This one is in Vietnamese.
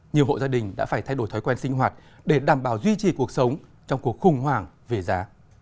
nhiều hộ gia đình đã phải thay đổi thói quen sinh hoạt để đảm bảo duy trì cuộc sống trong cuộc khủng hoảng về giá